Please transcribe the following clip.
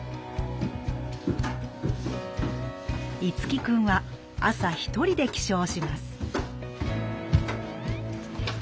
樹くんは朝一人で起床します